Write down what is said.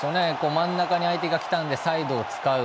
真ん中に相手が来たんでサイドを使う。